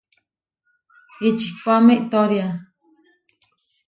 Ihčikuáme iʼtória.